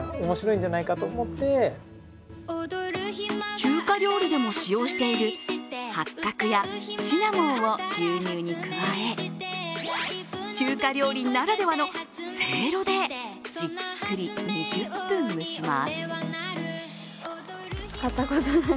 中華料理でも使用している八角やシナモンを牛乳に加え中華料理ならではのせいろでじっくり２０分蒸します。